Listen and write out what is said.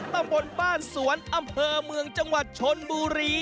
ตำบลบ้านสวนอำเภอเมืองจังหวัดชนบุรี